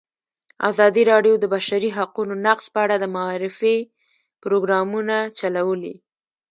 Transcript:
ازادي راډیو د د بشري حقونو نقض په اړه د معارفې پروګرامونه چلولي.